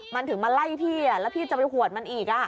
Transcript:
มันถึงมาไล่พี่แล้วพี่จะไปหวดมันอีก